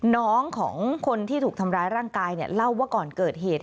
น้องของคนที่ถูกทำร้ายร่างกายเนี่ยเล่าว่าก่อนเกิดเหตุ